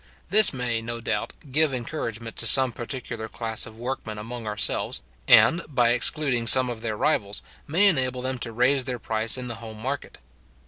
This may, no doubt, give encouragement to some particular class of workmen among ourselves, and, by excluding some of their rivals, may enable them to raise their price in the home market.